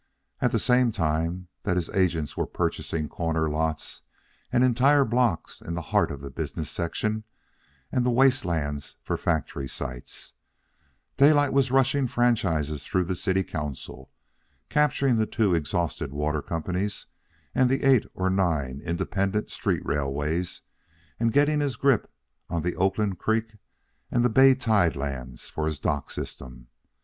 At the same time that his agents were purchasing corner lots and entire blocks in the heart of the business section and the waste lands for factory sites, he was rushing franchises through the city council, capturing the two exhausted water companies and the eight or nine independent street railways, and getting his grip on the Oakland Creek and the bay tide lands for his dock system.